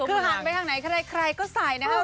คือหันไปทางไหนใครก็ใส่นะครับ